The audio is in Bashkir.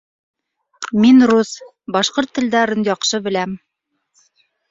Мин рус, башҡорт телдәрен яҡшы беләм.